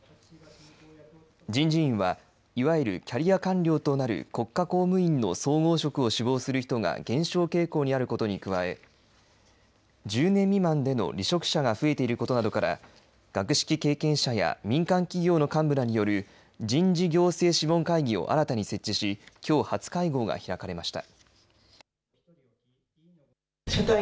人事院は、いわゆるキャリア官僚となる国家公務員の総合職を志望する人が減少傾向にあることに加え１０年未満での離職者が増えていることなどから学識経験者や民間企業の幹部らによる人事行政諮問会議を新たに設置しきょう、初会合が開かれました。